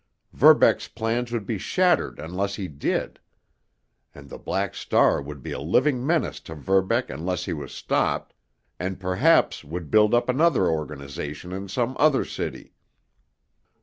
Verbeck's plans would be shattered unless he did. And the Black Star would be a living menace to Verbeck unless he was stopped, and perhaps would build up another organization in some other city.